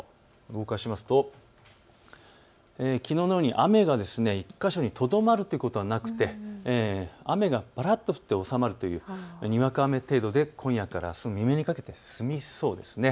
動かしますと、きのうのように雨が１か所にとどまるということはなくて雨がぱらっと降って収まるというにわか雨程度で今夜からあす未明にかけて済みそうです。